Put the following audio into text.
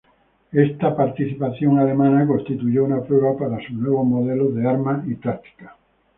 Esta participación alemana constituyó una prueba para sus nuevos modelos de armas y tácticas.